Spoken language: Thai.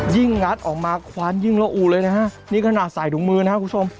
งัดออกมาคว้านยิ่งละอู่เลยนะฮะนี่ขนาดใส่ถุงมือนะครับคุณผู้ชม